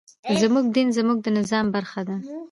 زموږ دين زموږ د نظام برخه ده.